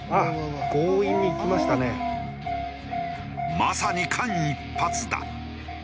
まさに間一髪だ。